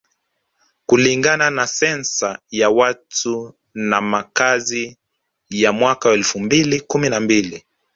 Kulingana na Sensa ya watu na makazi ya mwaka elfu mbili kumi na mbili